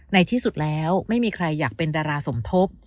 ในที่สุดแล้วไม่มีใครอยากเป็นดาราสมทบ